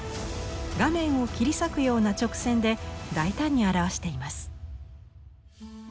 画面を切り裂くような直線で大胆に表しています。